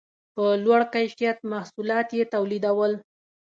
په لوړ کیفیت محصولات یې تولیدول